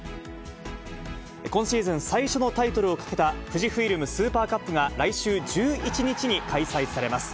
今シーズン最初のタイトルをかけた、富士フイルム・スーパー・カップが来週１１日に開催されます。